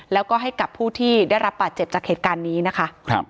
แล้วก็ให้กับผู้ที่ได้รับบาดเจ็บจากเหตุการณ์นี้นะคะ